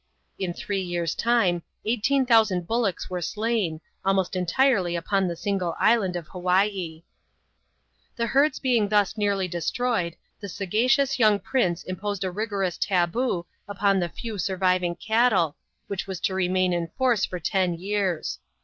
In three years' time, eighteen thousand bullocks were slain, almost entirely upon the single island of Hawaii. The herds being thus nearly destroyed, the sagacious young prince imposed a rigorous " taboo upon the few surviving cattle, which was to remain in force for ten years.